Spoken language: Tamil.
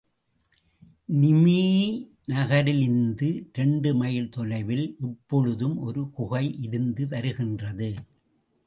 நிமீ நகரிலிந்து இரண்டு மைல் தொலைவில் இப்பொழுதும் ஒரு குகை இருந்து வருகின்றது.